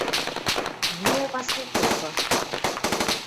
Миӓ Васли токы